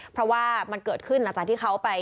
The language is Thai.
เพราะว่ามันเกิดขึ้นหลังจากที่เขาไป